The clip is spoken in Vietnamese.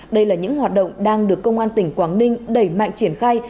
đây là những hoạt động đang được công an tỉnh quảng ninh đẩy mạnh triển khai